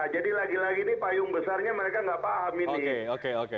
jadi lagi lagi ini payung besarnya mereka nggak paham ini